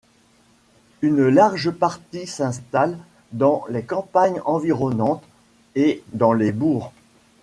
Une large partie s'installe dans les campagnes environnantes et dans les bourgs.